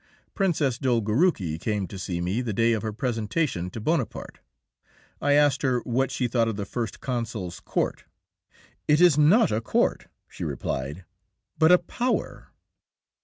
Princess Dolgoruki came to see me the day of her presentation to Bonaparte. I asked her what she thought of the First Consul's court. "It is not a court," she replied, "but a power."